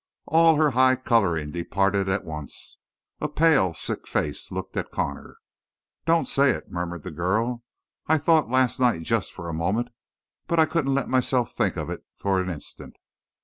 All her high coloring departed at once; a pale, sick face looked at Connor. "Don't say it," murmured the girl. "I thought last night just for a moment but I couldn't let myself think of it for an instant."